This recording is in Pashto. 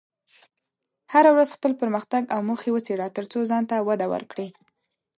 هره ورځ خپل پرمختګ او موخې وڅېړه، ترڅو ځان ته وده ورکړې.